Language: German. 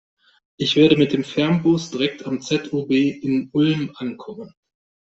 Ich werde mit dem Fernbus direkt am ZOB in Ulm ankommen.